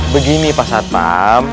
begini pak ustadz pam